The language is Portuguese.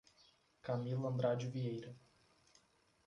Camila Andrade Vieira